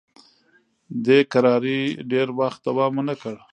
دې کراري ډېر وخت دوام ونه کړ.